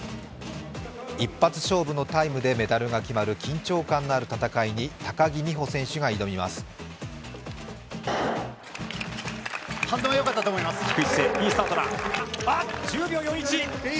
一発勝負のタイムでメダルが決まる緊張感のある戦いに高木美帆選手が挑みます。